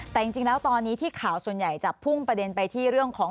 แต่จริงแล้วตอนนี้ที่ข่าวส่วนใหญ่จะพุ่งประเด็นไปที่เรื่องของ